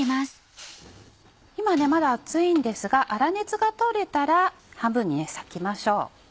今まだ熱いんですが粗熱がとれたら半分に割きましょう。